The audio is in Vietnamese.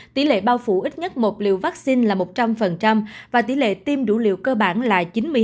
tỷ lệ bao phủ ít nhất một liều vaccine là một trăm linh và tỷ lệ tiêm đủ liều cơ bản là chín mươi năm